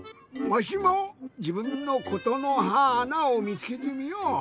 わしもじぶんの「ことのはーな」をみつけてみよう。